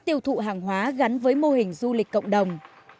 tiêu thụ hàng hóa gắn với mô hình du lịch cộng đồng